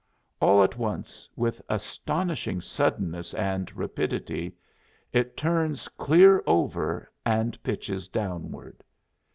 All at once, with astonishing suddenness and rapidity, it turns clear over and pitches downward.